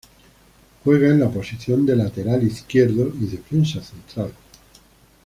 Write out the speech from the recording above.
Juega en la posición de lateral izquierdo y defensa central.